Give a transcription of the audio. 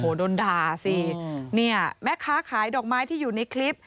โอ้โหโดนด่าสิแม่ค้าขายดอกไม้ที่อยู่ในคลิป